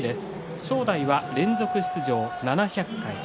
正代は連続出場７００回。